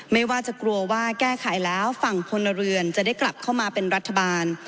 ไม่ว่าจะกลัวว่าแก้ไขแล้วฝั่งพลเรือนจะได้กลับเข้ามาเป็นรัฐบาล